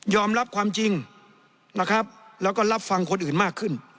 รับความจริงนะครับแล้วก็รับฟังคนอื่นมากขึ้น